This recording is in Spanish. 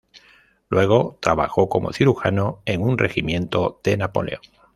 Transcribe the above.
Luego trabajó como cirujano en un regimiento de Napoleón.